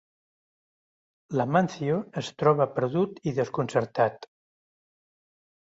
L'Amáncio es troba perdut i desconcertat.